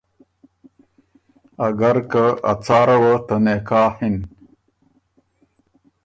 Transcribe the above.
اګر که ا څاره وه ته نکاح اِن